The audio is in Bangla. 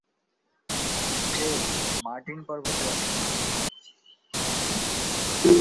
ক্রেগ মার্টিন পর্বতে বাস করে।